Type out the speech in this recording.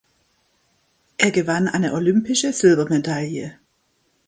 Er gewann eine olympische Silbermedaille.